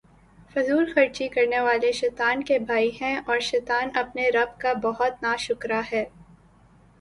فضول خرچی کرنے والے شیطان کے بھائی ہیں، اور شیطان اپنے رب کا بہت ناشکرا ہے